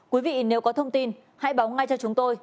quý vị nếu có thông tin hãy báo ngay cho chúng tôi